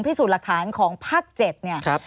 พิสูจน์หลักฐานของภาค๗